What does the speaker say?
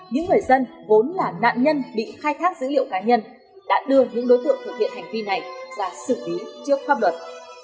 những người dân vốn là nạn nhân bị khai thác dữ liệu cá nhân đã đưa những đối tượng thực hiện hành vi này ra xử lý trước pháp luật